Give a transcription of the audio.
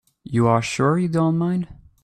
You're sure you don't mind?